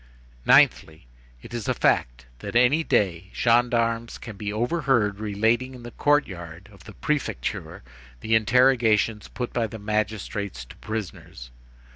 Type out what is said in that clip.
"Ninthly: it is a fact that any day gendarmes can be overheard relating in the court yard of the prefecture the interrogations put by the magistrates to prisoners.